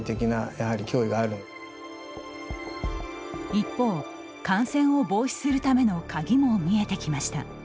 一方、感染を防止するための鍵も見えてきました。